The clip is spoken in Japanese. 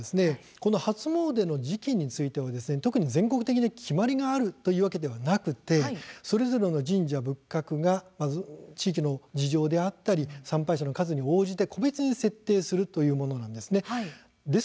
この初詣の時期については特に全国的に決まりがあるというわけではなくてそれぞれの神社、仏閣が地域の事情だったり参拝者の数に応じて個別に設定するというものなんです。